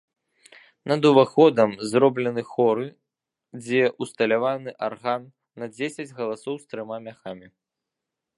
Над уваходам зроблены хоры, дзе ўсталяваны арган на дзесяць галасоў з трыма мяхамі.